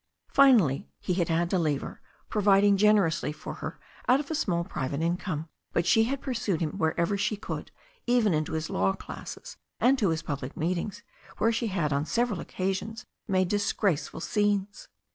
Finally, he had had to leave her, providing generously for t her out of a small private income. But she had pursued him wherever she could, even into his law classes, and to his public meetings, where she had, on several occasions, made disgraceful scenes.